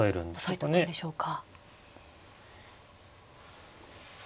押さえとくんでしょうか。